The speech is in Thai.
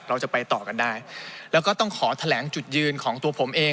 เราจะไปต่อกันได้แล้วก็ต้องขอแถลงจุดยืนของตัวผมเอง